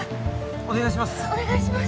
お願いします